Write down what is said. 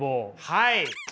はい。